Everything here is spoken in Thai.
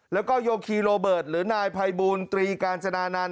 แล้วก็โยคีโรเบิร์ตหรือนายภัยบูลตรีกาญจนานันต